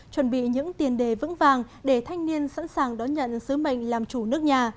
chuẩn bị những tiền đề vững vàng để thanh niên sẵn sàng đón nhận sứ mệnh làm chủ nước nhà